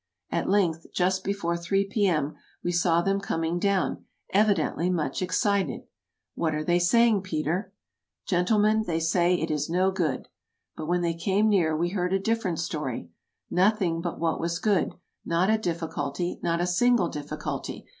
At length, just before three P.M., we saw them coming down, evidently much excited. " What are they saying, Peter ?"'' Gentlemen, they say it is no good." But when they came near we heard a different story: "Nothing but what was good — not a difficulty, not a single difficulty.